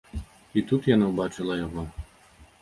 І тут яна ўбачыла яго.